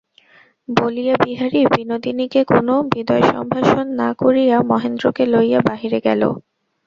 বলিয়া বিহারী বিনোদিনীকে কোনো বিদায়সম্ভাষণ না করিয়া মহেন্দ্রকে লইয়া বাহিরে গেল।